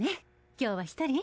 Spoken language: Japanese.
今日は１人？